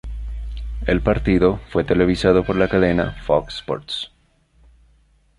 El partido fue televisado por la cadena Fox Sports.